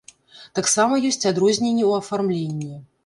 Таксама ёсць адрозненні ў афармленні.